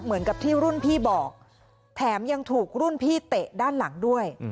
เหมือนกับที่รุ่นพี่บอกแถมยังถูกรุ่นพี่เตะด้านหลังด้วย